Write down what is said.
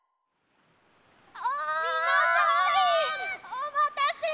おまたせ！